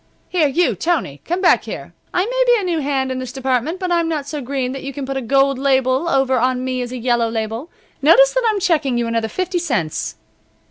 Here you, Tony! Come back here! I may be a new hand in this department but I'm not so green that you can put a gold label over on me as a yellow label. Notice that I'm checking you another fifty cents."